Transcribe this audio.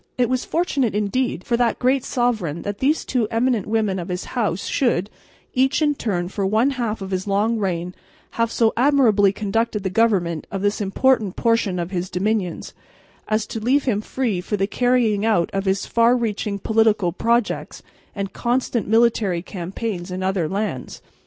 It was fortunate indeed for that great sovereign that these two eminent women of his house should, each in turn for one half of his long reign, have so admirably conducted the government of this important portion of his dominions, as to leave him free for the carrying out of his far reaching political projects and constant military campaigns in other lands.